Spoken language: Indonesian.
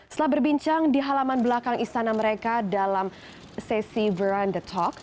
setelah berbincang di halaman belakang istana mereka dalam sesi veranda talk